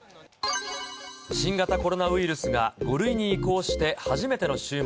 新型コロナウイルスが５類に移行して初めての週末。